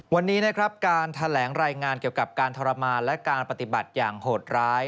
วันนี้นะครับการแถลงรายงานเกี่ยวกับการทรมานและการปฏิบัติอย่างโหดร้าย